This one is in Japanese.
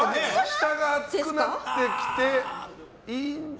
下が厚くなってきて。